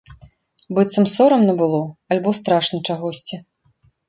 Быццам сорамна было альбо страшна чагосьці.